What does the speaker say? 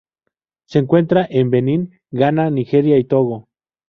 Se encuentra en Benín, Ghana, Nigeria, y Togo.